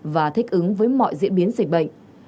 và thích ứng với mọi diễn biến dịch bệnh